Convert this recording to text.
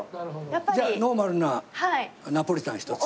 じゃあノーマルなナポリタン１つ。